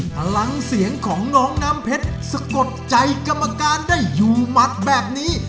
พลังเสียงของน้องน้ำเพชรสะกดใจกรรมการได้อยู่หมัดแบบนี้